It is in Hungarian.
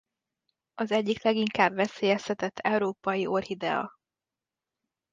Az egyik leginkább veszélyeztetett európai orchidea.